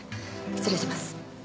失礼します。